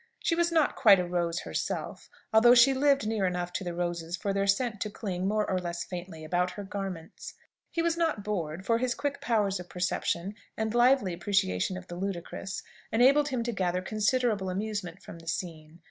She was not quite a rose herself, although she lived near enough to the roses for their scent to cling, more or less faintly, about her garments. He was not bored, for his quick powers of perception, and lively appreciation of the ludicrous, enabled him to gather considerable amusement from the scene.